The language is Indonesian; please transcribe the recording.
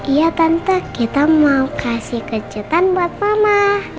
iya tante kita mau kasih kejutan buat mama